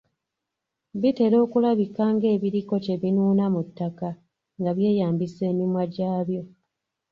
Bitera okulabika ng'ebiriko kye binuuna mu ttaka nga byeyambisa emimwa gyabyo .